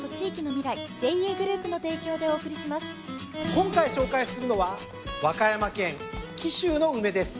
今回紹介するのは和歌山県紀州の梅です。